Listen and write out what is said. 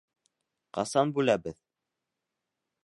Ҡасан бүләбеҙ?